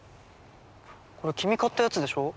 これ君買ったやつでしょ？